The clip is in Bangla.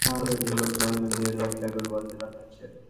প্রতিটি কবর সংরক্ষণের জন্য দেড় লাখ টাকা করে বরাদ্দ রাখা হয়েছে।